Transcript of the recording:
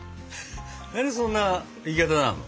何でそんな言い方なの。